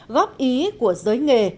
góp ý của giới nghề